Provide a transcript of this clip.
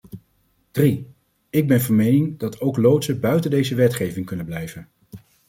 Drie, ik ben van mening dat ook loodsen buiten deze wetgeving kunnen blijven.